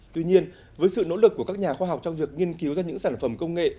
tuy nhiên với sự nỗ lực của các nhà khoa học trong việc nghiên cứu ra những sản phẩm công nghệ